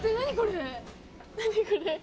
何これ？